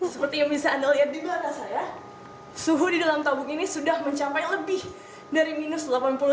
seperti yang bisa anda lihat di belakang saya suhu di dalam tabung ini sudah mencapai lebih dari minus delapan puluh deraja